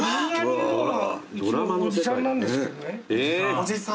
おじさん。